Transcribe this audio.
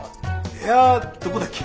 部屋どこだっけ？